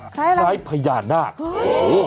คล้ายอะไร